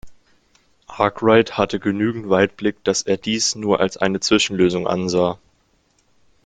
Arkwright hatte genügend Weitblick, dass er dies nur als eine Zwischenlösung ansah.